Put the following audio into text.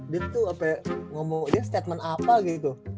dia tuh sampai ngomong dia statement apa gitu